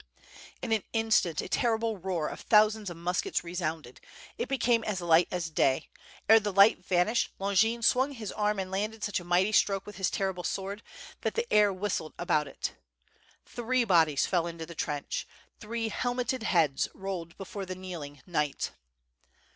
In an instant a terrible roar of thousands of muskets re sounded; it became as light as day. Ere the light vanished Longin swung his arm and landed such a mighty stroke with his terrible sword^ that the air whistled about it. Three bodies fell into the trench; three helmeted heads rolled before the kneeling knight.